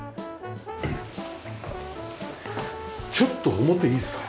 ちょっと表いいですか？